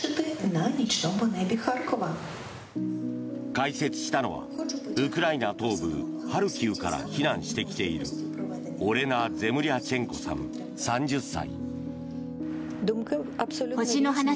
解説したのはウクライナ東部ハルキウから避難してきているオレナ・ゼムリャチェンコさん３０歳。